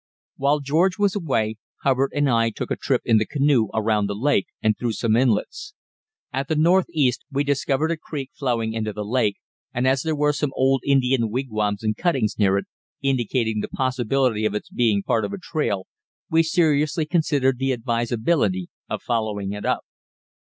While George was away Hubbard and I took a trip in the canoe around the lake and through some inlets. At the northeast we discovered a creek flowing into the lake, and as there were some old Indian wigwams and cuttings near it, indicating the possibility of its being part of a trail, we seriously considered the advisability of following it up.